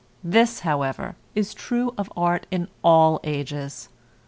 This, however, is true of art in all ages.